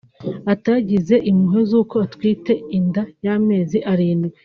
atagize impuhwe z’uko atwite inda y’amezi arindwi